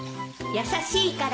優しいから？